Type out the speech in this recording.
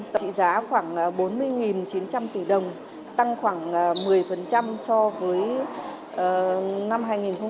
trị giá khoảng bốn mươi chín trăm linh tỷ đồng tăng khoảng một mươi so với năm hai nghìn một mươi bảy